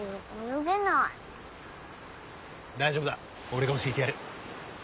大丈夫だ俺が教えてやる。